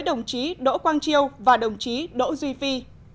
đồng chí đỗ quang triều và đồng chí đỗ duy phi